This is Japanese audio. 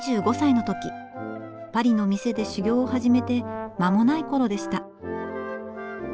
パリの店で修業を始めて間もない頃でした。